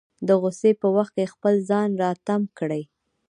د غوسې په وخت کې خپل ځان راتم کړي.